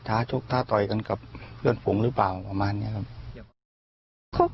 ชกท้าต่อยกันกับเพื่อนฝูงหรือเปล่าประมาณนี้ครับ